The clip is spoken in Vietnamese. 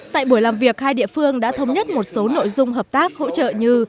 tại buổi làm việc hai địa phương đã thống nhất một số nội dung hợp tác hỗ trợ như